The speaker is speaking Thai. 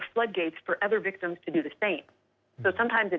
เพื่อเพราะมีความอาธญาตาอย่างต่างกัน